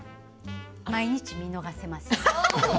毎日見逃せません。